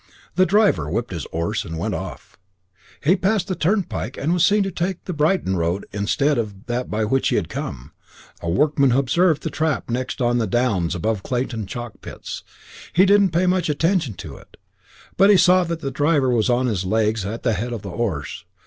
The driver whipped his 'orse and went off. He passed the turnpike, and was seen to take the Brighton road hinstead of that by which he had come. A workman hobserved the trap next on the downs above Clayton chalk pits. He didn't pay much attention to it, but he saw that the driver was on his legs at the 'ead of the 'orse.